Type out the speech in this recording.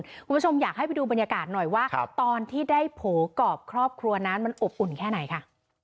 คุณผู้ชมอยากให้ไปดูบรรยากาศหน่อยว่าตอนที่ได้โผล่กรอบครอบครัวนั้นมันอบอุ่นแค่ไหนค่ะ